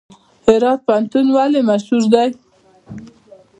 هرات پوهنتون ولې مشهور دی؟